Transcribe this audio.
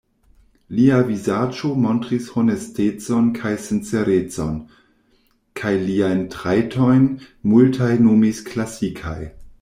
Lia vizaĝo montris honestecon kaj sincerecon; kaj liajn trajtojn multaj nomis klasikaj.